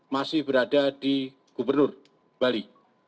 masih berada di gubernur bali